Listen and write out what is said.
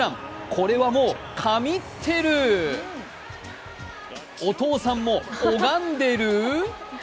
これはもう、神ってるお父さんも拝んでる？